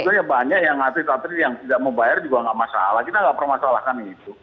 sebetulnya banyak yang ngasih ngasih yang tidak mau bayar juga nggak masalah kita nggak permasalahkan itu